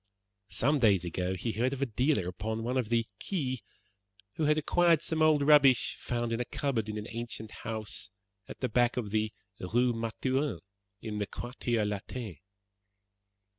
Some days ago he heard of a dealer upon one of the Quais who had acquired some old rubbish found in a cupboard in an ancient house at the back of the Rue Mathurin, in the Quartier Latin.